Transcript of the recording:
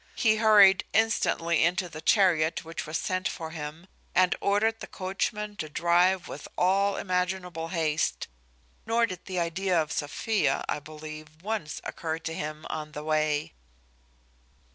He hurried instantly into the chariot which was sent for him, and ordered the coachman to drive with all imaginable haste; nor did the idea of Sophia, I believe, once occur to him on the way.